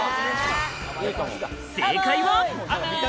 正解は。